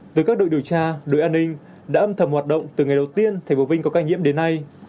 từ các đội điều tra đội an ninh đã âm thầm hoạt động từ ngày đầu tiên thành phố vinh có ca nhiễm đến nay